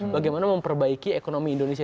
bagaimana memperbaiki ekonomi indonesia